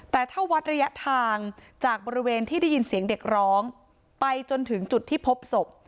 แต่ถ้าวัดระยะทางจากบริเวณที่ได้ยินเสียงเด็กร้องไปจนถึงจุดที่พบศพ